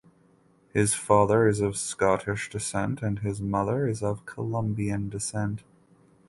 His father is of Scottish descent and his mother is of Colombian descent.